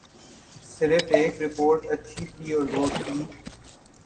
صرف ایک رپورٹ اچھی تھی اور وہ تھی۔